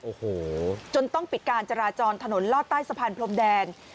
โอ้โหจนต้องปิดการจราจรถนนลอดใต้สะพานพรมแดง